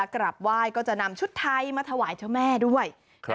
กลับไหว้ก็จะนำชุดไทยมาถวายเจ้าแม่ด้วย